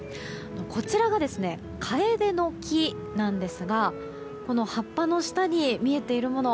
こちらが、カエデの木なんですがこの葉っぱの下に見えているもの